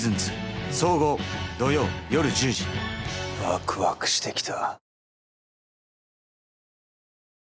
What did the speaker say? ワクワクしてきた。